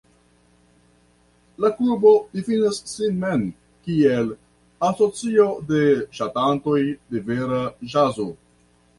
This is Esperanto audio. La klubo difinas sin mem kiel "asocio de ŝatantoj de vera ĵazo".